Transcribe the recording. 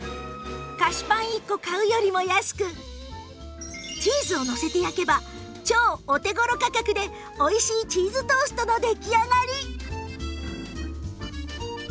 菓子パン１個買うよりも安くチーズをのせて焼けば超お手頃価格で美味しいチーズトーストの出来上がり